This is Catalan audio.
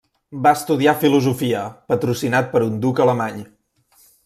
Va estudiar filosofia, patrocinat per un duc alemany.